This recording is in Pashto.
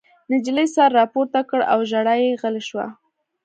نجلۍ سر راپورته کړ او ژړا یې غلې شوه